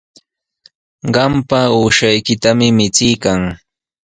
Qampa uushaykitami michiykan.